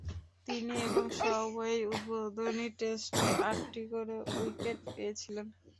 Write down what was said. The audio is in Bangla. তিনি এবং শ উভয়েই উদ্বোধনী টেস্টে আটটি করে উইকেট পেয়েছিলেন।